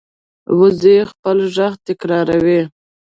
وزې خپل غږ تکراروي